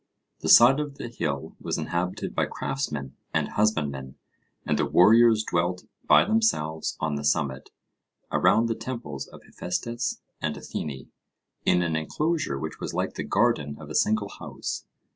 The side of the hill was inhabited by craftsmen and husbandmen; and the warriors dwelt by themselves on the summit, around the temples of Hephaestus and Athene, in an enclosure which was like the garden of a single house.